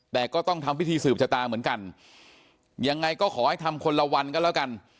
แต่ก็ต้องทำพิธีสืบชะตาเหมือนกันยังไงก็ขอให้ทำคนละวันก็แล้วกัน